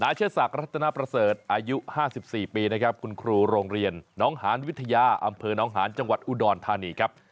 เชิดศักดิ์รัฐนาประเสริฐอายุ๕๔ปีนะครับคุณครูโรงเรียนน้องหานวิทยาอำเภอน้องหานจังหวัดอุดรธานีครับ